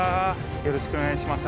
よろしくお願いします。